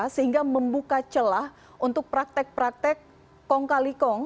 sehingga membuka celah untuk praktek praktek kong kali kong